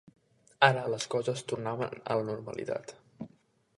Ara les coses tornaven a la normalitat